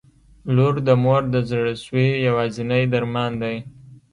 • لور د مور د زړسوي یوازینی درمان دی.